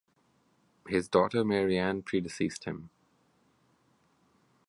His daughter Maryanne predeceased him.